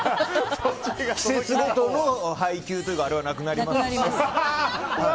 季節ごとの配給というかあれは、なくなりますし。